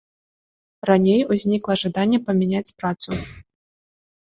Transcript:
Раней узнікала жаданне памяняць працу.